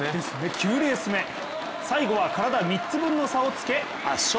９レース目最後は体３つ分の差をつけ圧勝。